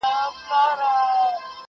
مه نیسه چېغو ته کاڼه غوږونه!!